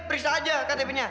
berisah aja ktp nya